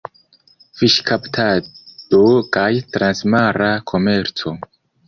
Fiŝkaptado kaj transmara komerco.